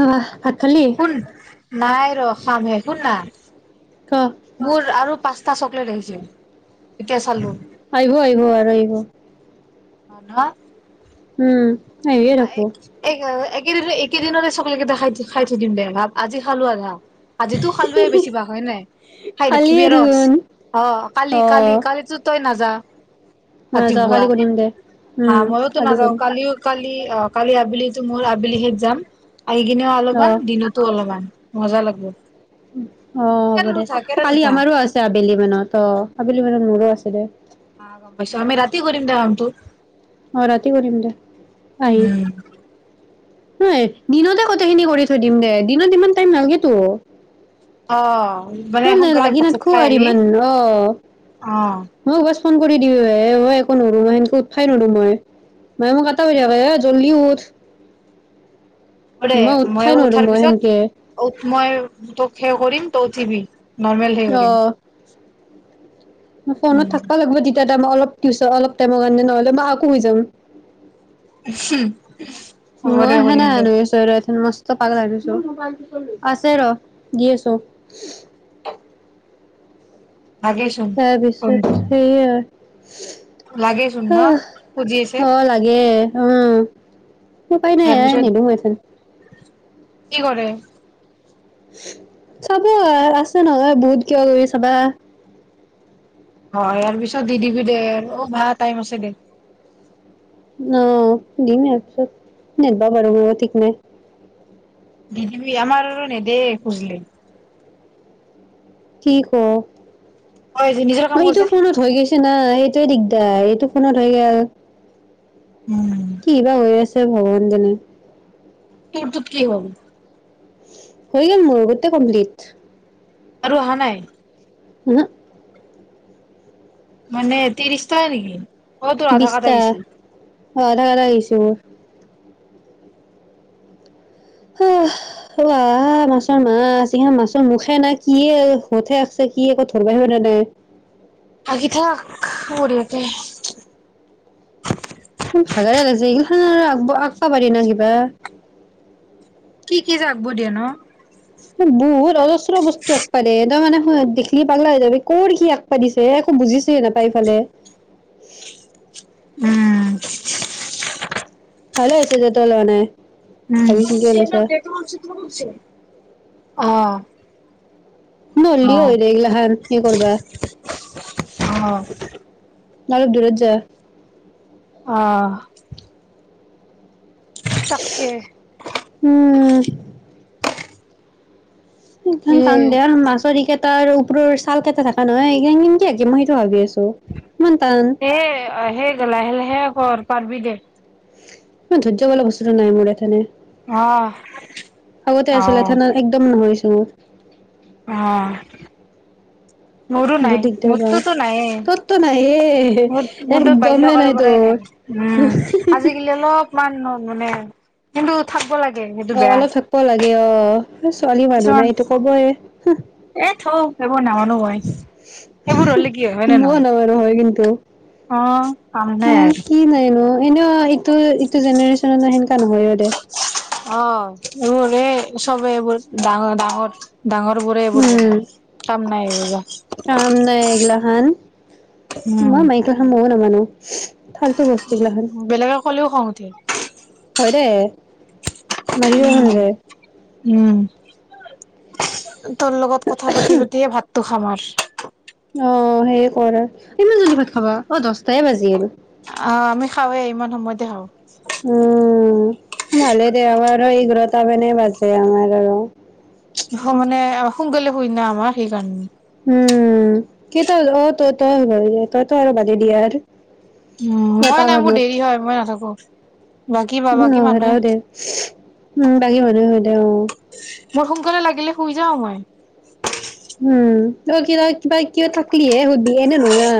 আহ ভাত খালি কোন নাই। ৰ অখামে শুন না ক। মোৰ আৰু পাঁচটা চকলেট আহিছে। আহিব আহিব আৰু আহিব। অ ন উম। আহিয়ে থাকো এই [unintelligible] একেইদিনতে, একেদিনতে চকলেট এটা খাই খাই থৈ দিম দে। ভাপ আজি খালো আধা আজিতো খালোৱে বেছি ভাগ হয় নাই। খাই খালিয়ে থাকিবি ৰস দেখোন অ কালি, কালি কালি তো তই নাযাওঁ। অ যোৱা কালি কে সুধিম দে। হা উম মইও তো কালি নাযাওঁ, কৰিম কালিও কালি কালি আবেলি তো মইও আবেলিহে যাম। আহি কিনেও অ অলপমান, দিনতো অলপমান মজা লাগিব। অ হ'ব দে, অ কালি উঠা আমাৰো আছে আবেলি মানত। অ আবেলি মানত মোৰো আছে দে। আহ গম পাইছো, আমি ৰাতি কৰিম দে কামটো। অ ৰাতি কৰিম উম হয় দিনতে কথাখিনি কৰি থৈ দিম দে, দিনত ইমান টাইম নালাগেটো অ মানে সোনকালে ভাত চাত নাথখো খাই আহি, অ মই ৱাচ ফোন কৰি দিওঁ এ, মই একো নৰো মই সেনেকে উঠাবই নৰো, মই মাই মোক উঠবই নোৱাৰো হে এ জল্দি উঠ। হ'ব দে মই উঠবাই ময়ো নোৱাৰো উঠাৰ মই পিছত সেনকে উঠ মই তোক সে কৰিম টিভি অ ফোনত উম, থাকবা লাগিব যেতিয়া মই অলপ পিছত, অলপ টাইমৰ কাৰণে নহলে মই আকৌ শুই যাম। হম [unintelligible] মই সেনাই আনো ওচৰত মস্ত পাগলা হয় গৈছোঁ। আছে ৰ দি আছো লাগেচোন তাৰপিছত সেইয়া, লাগেচোন ন খুজি আছে অহ অ লাগে উম উপাই নাই ইয়াৰ অ পিছত নিদো হেতেন কি কৰে? চাব আছে নহয়, বহুত কিবা কিবি চাবা। হয় ইয়াৰ পিছত দি দিবি দে, অ ভাই টাইম আছে দে অ দিমে আছো, নিদিব পাৰো মোৰ ঠিক নাই। দি দিবি, আমাৰ নেদিয়ে খুজিলে কি কও অ যে নিজৰ [unintelligible] কাম মই কৰ এইটো যা ফোনত হৈ গৈছে নাই? সেইটোৱে দিগদাৰ, এইটো ফোনত হৈ গল। উম কি বা হৈ আছে, ভগৱানে জানে তোৰ তোত কি হল? হৈ গল মোৰ গোটেই কমপ্লিট আৰু অহা নাই ওহু মানে ত্ৰিশ টাই নেকি অ তোৰ আধা কাৰ্ড বিছটা লাগিছিল অ আধা কাৰ্ডৰ ইচু আহিছে মোৰ আহ আহ মাছৰ মাছ ইহ মাছৰ মুখে নাই কি হতে আছে কি একো ধৰিব পৰা নাই। আকিঁ থাক মোৰ ইয়াৰতে। উম হাগাই লাগিছে ইমান আৰু আক আকিব পাৰি না কিবা। কি কি আঁকিব দিযেন। বহুত অজস্ৰ বস্তু আঁকিব দিয়ে এ তই মানে দেখি পাগল হৈ যাবি কি আকিব দিছে একো বুজিছে নাপায়। চাৰিফালে উ [unintelligible] উম ভালে হৈছে যে তই লোৱা নাই উম ভাবি চিন্তিয়ে লৈছা অ নললেও অ', হৈ দে। এইগিলা হান কি কৰিবা। অ', অলপ দূৰত যা অ'। তাকে উম সান সিয়ে তান দিয়া মাছৰিকত তাৰ ওপৰ চাল কেইটা থাক নহয় কেনে আকে মই সিতো ভাবি আছো। ইমান টান সেই সেই লাহে লাহে। কৰ পাৰিবি দে মই ধৈয্য বোলা বস্তুতটো নাই মোৰ এখনে অ', আগতে আছিলে এতিয়া একদম কয় দম উম আহ বহুত দিকদাৰ বাও নাইয়ে। তোততো নাই এ মোৰ মোৰতো বাল্যকালৰ পৰাই নাই উম আজিকালি অলপমান মানে কিন্তু থাকিব লাগে সেইটো অ বেয়া। অলপ থাকিব লাগে অ ছোৱালী মানুহ নাই সেইটো কবয়ে হ এই থ সেইবোৰ নামানো মই সেইবোৰ হলে কি হয় হয়নে মইও নোৱাৰো হয় কিন্তু। নহয় অ কাম নাই আৰু অ এনে ইটো ইটো জেনেৰেশ্যনত সেনকা তেনেকৈ হয় তে অ ৰৰে [unintelligible] চবে এইবোৰ ডাঙৰ ডাঙৰ ডাঙৰ বোৰে এইবোৰ উম বনাই স নাই ৰা [unintelligible] হা [unintelligible] মই মাইকী কাম বহুত [unintelligible] নাজানো উ [unintelligible] [inaudible] ফালতু বস্ত এগিলাখান বেলেগে ক'লেও খং উঠে হয় দে মাৰিব মন উম যায় উম তৰ লগত কথা পাতি পাতিয়ে ভাত তোখামাৰ [unintelligible] অ সেই কৰে ইমান জলদি ভাত খাবা অ দচটা ছয় [unintelligible] বাজিল আহ আমি খাওঁৱে ইমান সময়তে খাওঁ উম তাৰ মানে বাজে আমাৰ আৰু ঘ মানে সোনকালে হয় ন আমাৰ সেইকাৰণে উম উম কেইটা বজাত ত অ তই তই তই তো আৰু বাদে দি আৰু উ এটা নহয় নহয় মোৰ মানত দেৰি হয় মই [unintelligible] নাথাকো বাকী বা উম বাকী মানুহে তাকেটো দে বাগী মানুহ [unintelligible] অ মোৰ সোনকালে লাগিলে শুই যাওঁ মই উম তই কিবা কিবা কিয় থাকলিহে সুধবি এনে নহোৱা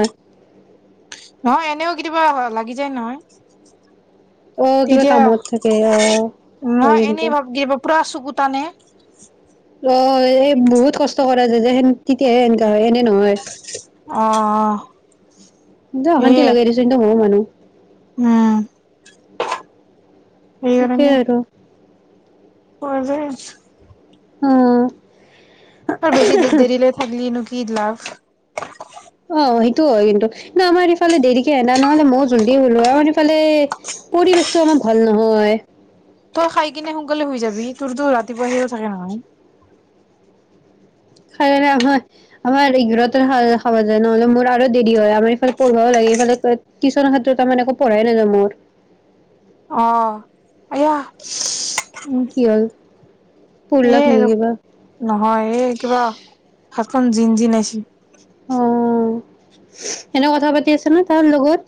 নহয় এনেও কেতিয়াবা লাগি যায় নহয় আহ কিবা তেতিয়া কামত থাকে আহ হয় কিন্তু ভূটানে অ এই বহুত কষ্ট কৰে যেযেহেন তেতিয়াহে এনকা হয় এনে নহয় অ', অশান্তি সেয়ে লগাই দিছো কিন্তু ময়ো মানুহ [inaudible] [inaudible] উম তাকেই আৰু পৰা যায় অ তই বেছি দেৰিলৈ থাকিলি নেকি কি লাভ অ সেইটো হয় কিন্তু কিন্তু আমাৰ ইফালে দেৰিকে এনা নহলে মইও জল্দি হলো হয় আম ইফালে পৰিৱেশতটো আমাৰ ভাল নহয় তই খাই কিনে সোনকালে হৈ যাবি তোৰতো ৰাতিপুৱা আহি চাকে নহয় [unintelligible] খাইয়ো আমাৰ এঘাৰতাত খাব যায় নহলে মোৰ আৰু দেৰি হয়, আমাৰ ইফালে পঢ়ও লাগে ইফালে টিউচনৰ ক্ষেত্ৰত ত একো পঢ়াই নাযাওঁ মোৰ। অহ আয়া উম কি হ'ল এ পঢ়লাক নেকি কিবা নহয় এই কিবা জিন জিনাইছে অ এনেক কথা পাতি আছে ন তাৰ লগত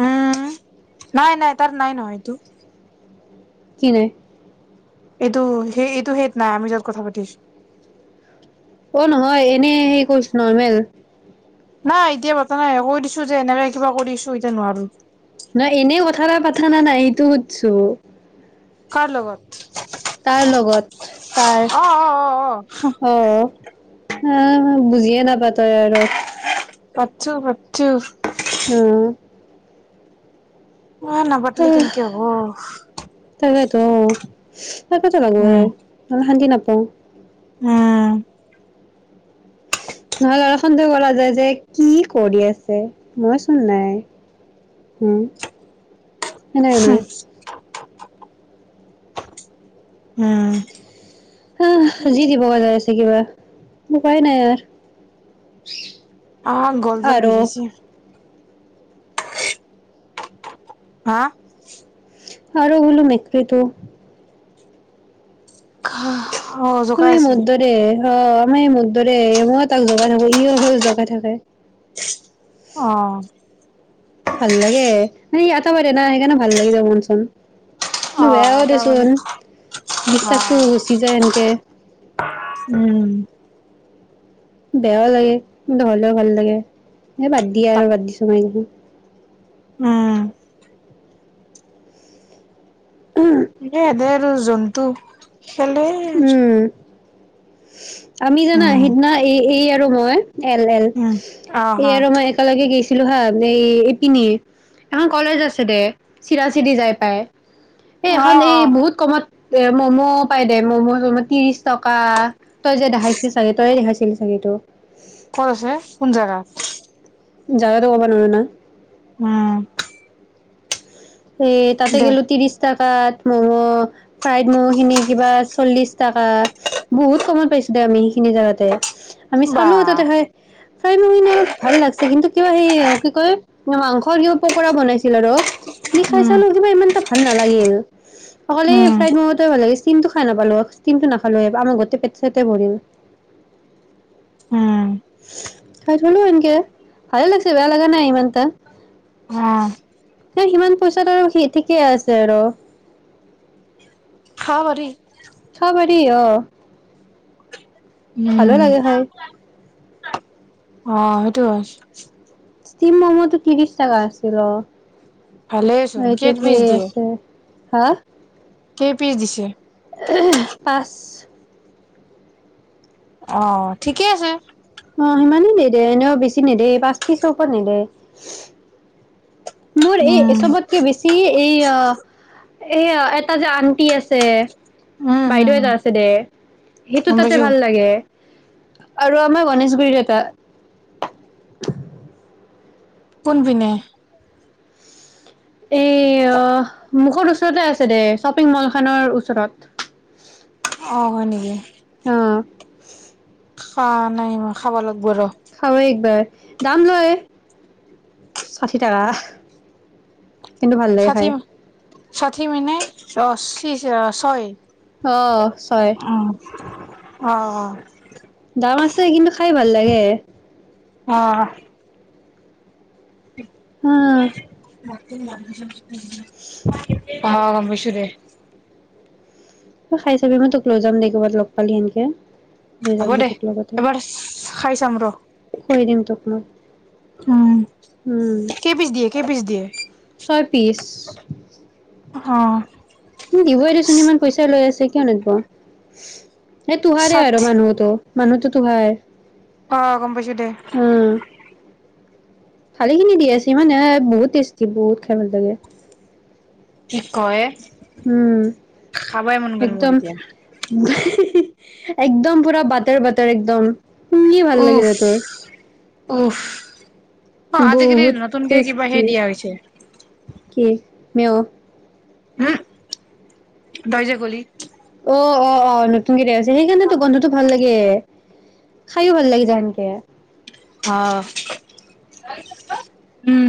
উম, নাই নাই তাৰ নাই নহয় তো কি নাই এইটো সেই এইটো হত নাই আমি য'ত কথা পাতিছ অ নহয় এনে সেই কৰিছ নৰৰ্মেল নাই এতিয়া পতা নাই কৈ দিছো যে এনেকে কিবা কৰিছো এতিয়া নোৱাৰো নহ এনেই কথা এটা পতা না নাই এইটো সুধছো কাৰ লগত তাৰ লগত তাৰ অ', অ', অ', অ', আহ এ বুজিয়ে নাপাতই আৰু পাতচো পাতচো উম উম নাপাতিলে কেনেকে হ'ব উ [unintelligible] ত এইটো লগবয়ৈ অ শান্তি নাপায় কৈ উম নহলে দ খতে কল যায় যে কি কৰি আছে মইচোন নাই হম হয় নে নহয় উম হা যি দিব পৰা হৈছে থাকিবা উপাই নাই আৰু আহ গলডল বিষাইছে হা আৰু বলো মেক্ৰীটো অ আমাৰ জোকাই এই আছে মোৰ দৰে অ আমাৰ ই মোৰ দৰে ময় তাক জগাই থাকো ই হৈ জগাই থাকে অহ ভাল লাগে মানে আটাবাৰ না সেইকাৰণে ভাল লাগি য মনচোন। কিন্তু অ বেয়াও তাৰ মানে দেচোন বিশ্বাসটো গুচি যায় এনকে উম বেয়াও লাগে কিন্ত হলেও ভাল লাগে এ বাদ দিয়া আৰু বাদ দিছো মই উম উশূ। নে এ দে আৰু জন্তু। খেলে উম আমি জানা উম আহিদিনা এই এইয়। এইটো হয়! এল এল উম অ ই হ আৰু মই একেলগে গৈছি। ছিলো হা হে ইপিনি? হা কলেজ আছিলে চিধা চিধি যাই পাই। এ অ এখন এই অ বহুত কমত এ ম'ম' পাই দে ম'ম' হব ত্ৰিশ টকা। তই যে দেখাইছিলি চাগে তইয়ে দেখাইছিলি চাগেটো? ক'ত আছে, কোন জেগাত? জাগাটো ক'ব নোৱাৰি ন। উম! এ তাতে দে গলো ত্ৰিশ তাত। তাত ম'ম' ফ্ৰাইড ম'ম' খিনি কিবা চল্লিশ টকা। বহুত কমত পাইছো দে, আমি সেইখিনি জোগাতে। আমি বা চালো তাতে হৈ, ফ্ৰাইড ম'ম' খিনি অলপ ভাল লাগিছে, কিন্তু কিয় হে কি কয় মাংস দিও পকোৰা বনাইছিল আৰু [unintelligible] [unintelligible] নি খাইছালো কিবা ইমানটা ভাল নালাগিল। অকলে এ উম ফ্ৰাইড ম'ম'টোৱে ভাল লাগিছিল। ষ্টিমটো খাই নাপালো ষ্টিমটো নাখালো আমাৰ গোতে পেট চতে ভৰিল। উম হয়। চলো এনকে ভালে লাগছে, বেয়া লগা নাই ইমানতা। উম! এই সিমান! পইচা আৰু ঠিকে আছে আৰু খাওঁ বাৰু। খাবা দেই অ! উম! অ সেইটো হয়! ষ্টিম ম'ম' টো ত্ৰিশ টকা আছিল অ! ভালেইচোন এইটো কেই ঠিক পিচ আছে। হা! কে পিচ দিছে? পাঁচ। অ ঠিকেই আছে। অ সিমানেই দেই দে এনেও বেছি নিদে পাঁচ পিচৰ ওপৰত নিদে। মোৰ এই উম, চবতকে বেছি এই আহ এয়া এটা যে আন্টি আছে উম, হম, বাইদেউ হম, এটা আছে দে, সেইটো গম তাতে পাইছো। ভাল লাগে। আৰু আমাৰ গণেশগুৰিত এটা কোনপিনে এই মুখৰ ওচৰতে আছে দে শ্বপিং মল খনৰ ওচৰত অ হয় নেকি‌? [inaudible] অ নাই হোৱা খাব লইছো খাওৱে একবাৰ দাম লয় ষাঠি টকা কিন্তু ভাল লাগে ষাঠি খাই ষাঠি মিননে ৰস ত্ৰিছ ছয় অহ ছয় অ অ দাম আছে কিন্তু খাই ভাল লাগে অহ আহ ধ [inaudible] উ [inaudible] অ গৈছো দে খাই চাবি মই তোক লৈ যাম দেই ক'ৰবাত লগ পালি সেনকে লৈ যাম হ'ব দে তোক লগতে এবাৰ খাই চাম ৰ খোৱাই দিম তোক মই উম উম কেই পিছ দিয়ে কেই পিছ দিয়ে ছয় পিচ অ দিবই দেচোন ইমান পইচা লৈ আছে কিয় নিদব? এ তোহাৰেই আৰু ষাঠি মানুহতো মানুহটো তো ভাই অ গম পাইছো দে খালি খিনি দি আছে ইমানে বহুত টেষ্টি বহুত খাই ভাল লাগে কি কয় উম খাবাই মন গ'ল মোৰ একদম এতিয়া। হিহি হি একদম পুৰা বাটাৰ বাটাৰ একদম কি ভাল উফ লাগিলে তোৰ উফ অ আজিকালি বহুত নতুনকে কিব হে টেষ্টি দিয়া হৈছে ম [unintelligible] হম, তই যে কলি। অ, অ, অ, নতুনকে আছে। সেইকাৰণেতো গন্ধটো ভাল লাগে। খাইও ভাল লাগি যায় এনকে। অহ।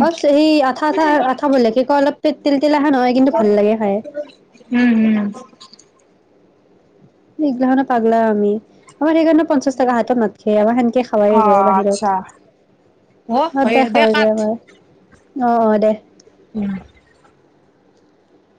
অ সেই আঠা, আঠা, আঠা বলে কি ক অলপ পিক [inaudible] উম, উম। নিঘ গাহান পাগলা আমি। আমাৰ সেইকাৰণে পঞ্চাশ টকা হাতত না খায় আমাৰ সেনেকে খাৱাই অ যায় বাহিৰত, আচ্ছা অ সদায় দে খাৱাই যায় কাট আমাৰ। অ, অ, দে। উম।